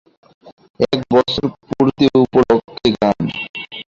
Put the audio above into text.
এক বছর পূর্তি উপলক্ষ্যে গান।